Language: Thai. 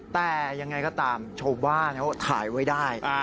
แต่ยังไงก็ตามชาวบ้านเขาถ่ายไว้ได้